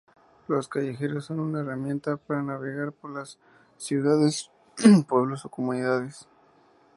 Los callejeros son una herramienta para navegar por las ciudades, pueblos o comunidades.